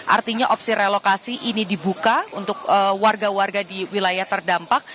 artinya opsi relokasi ini dibuka untuk warga warga di wilayah terdampak